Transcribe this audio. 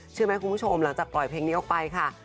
เชื่อมั้ยคุณผู้ชมหลังจากปล่อยเพลงนี้ออกไปค่ะ